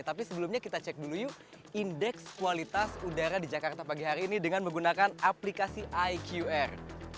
tapi sebelumnya kita cek dulu yuk indeks kualitas udara di jakarta pagi hari ini dengan menggunakan aplikasi iqr